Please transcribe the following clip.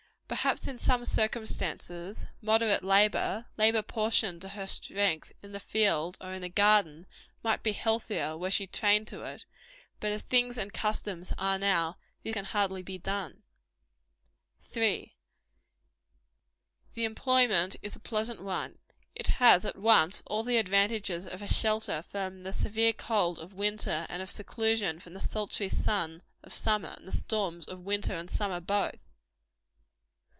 Perhaps, in some circumstances, moderate labor labor proportioned to her strength in the field, or in the garden, might be healthier, were she trained to it; but as things and customs now are, this can hardly be done. 3. The employment is a pleasant one. It has at once all the advantages of a shelter from the severe cold of the winter, and of seclusion from the sultry sun of summer, and the storms of winter and summer both.